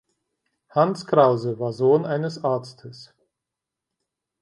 Hanns Krause war Sohn eines Arztes.